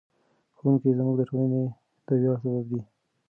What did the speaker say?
ښوونکي زموږ د ټولنې د ویاړ سبب دي.